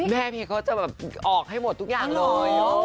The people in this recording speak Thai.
พี่เขาจะแบบออกให้หมดทุกอย่างเลย